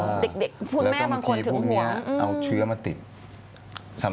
และเค้าบางทีพวกเนี้ยเอาเชื้อมาติดหลังเตะ